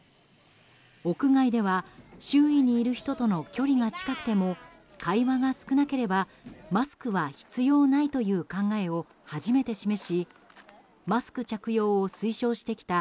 屋外では周囲にいる人との距離が近くても会話が少なければマスクは必要ないという考えを初めて示しマスク着用を推奨してきた